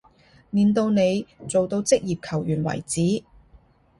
練到你做到職業球員為止